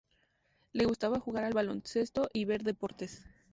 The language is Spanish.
Le gustaba jugar al baloncesto y ver deportes.